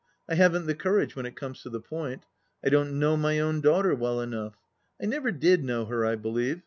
I haven't the courage when it comes to the point. I don't know my own daughter well enough. I never did know her, I believe.